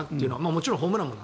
もちろんホームラン王も